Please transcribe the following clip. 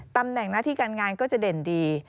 ตำแหน่งหน้าที่การงานก็จะเด่นดี